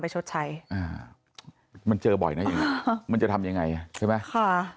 มันเจอบ่อยนะยังไงมันจะทำยังไงใช่ไหม